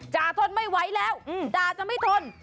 ทนไม่ไหวแล้วจ่าจะไม่ทน